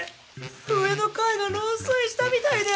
上の階が漏水したみたいで。